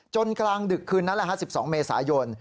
จนกลางดึกคืนนั้น๑๒เมษายน